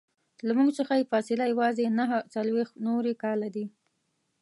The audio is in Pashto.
له موږ څخه یې فاصله یوازې نهه څلویښت نوري کاله ده.